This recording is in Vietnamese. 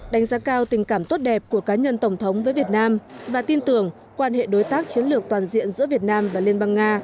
đánh giá cao tình cảm tốt đẹp của cá nhân tổng thống với việt nam và tin tưởng quan hệ đối tác chiến lược toàn diện giữa việt nam và liên bang nga